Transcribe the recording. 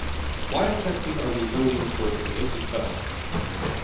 Why exactly are we voting for a convicted felon?